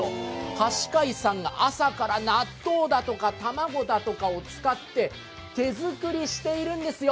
橋階さんが朝から納豆だとか卵だとかを使って、手作りしているんですよ。